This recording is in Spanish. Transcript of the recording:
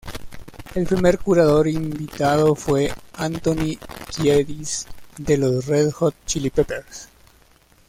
El primer curador invitado fue Anthony Kiedis, de los Red Hot Chili Peppers.